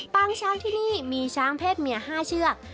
งช้างที่นี่มีช้างเพศเมีย๕เชือก